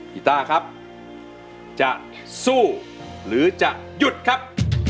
กีต้าครับจะสู้หรือจะหยุดครับ